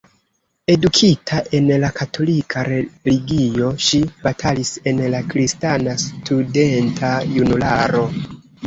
Edukita en la katolika religio, ŝi batalis en la kristana studenta junularo.